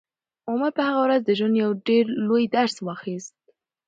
عمر په هغه ورځ د ژوند یو ډېر لوی درس واخیست.